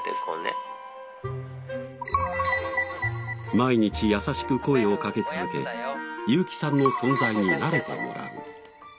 毎日優しく声をかけ続けユーキさんの存在に慣れてもらう。